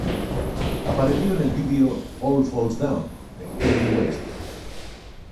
Apareció en el video "All Falls Down" de Kanye West.